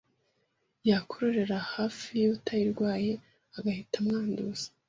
yakororera hafi y’utayirwaye agahita amwanduza.